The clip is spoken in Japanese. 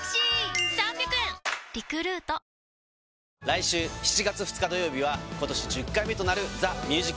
来週７月２日土曜日は今年１０回目となる『ＴＨＥＭＵＳＩＣＤＡＹ』。